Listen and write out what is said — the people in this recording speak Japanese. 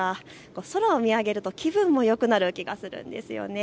空を見上げると気分もよくなる気がするんですよね。